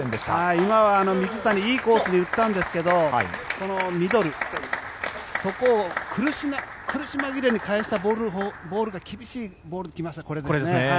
今は水谷いいコースに打ったんですがミドル、そこを苦し紛れに返したボールがこれですね。